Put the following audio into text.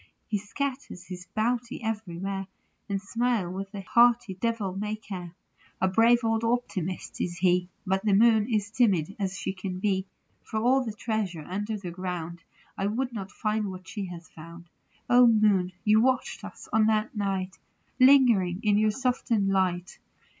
He scatters his bounty everywhere, And smiles with a hearty, devil may care THE LOVER AND THE MOON. 8 1 A brave old optimist is he, But the Moon is timid as she can be. For all the treasure under the ground I would not find what she has found. 0 Moon, you watched us on that night, Lingering in your softened light.